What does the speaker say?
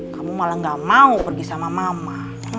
kamu malah gak mau pergi sama mama